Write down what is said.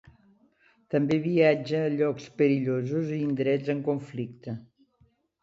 També viatja a llocs perillosos i indrets en conflicte.